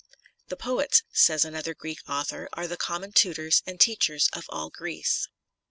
" The poets," says another Greek author, " are the common tutors and teachers of all Greece."